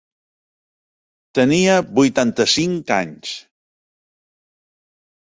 Tenia vuitanta-cinc anys.